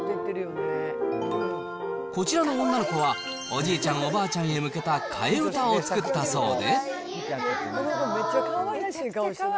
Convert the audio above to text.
こちらの女の子は、おじいちゃん、おばあちゃんへ向けた替え歌を作ったそうで。